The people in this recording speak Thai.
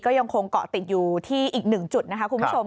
ก็ยังคงเกาะติดอยู่ที่อีกหนึ่งจุดนะคะคุณผู้ชม